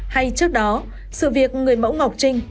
hay trước đó sự việc người mẫu ngọc trinh